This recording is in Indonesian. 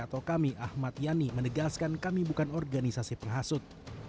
atau kami ahmad yani menegaskan kami bukan organisasi penghasut